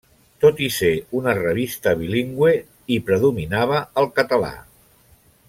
Tot i ser una revista bilingüe, hi predominava el català.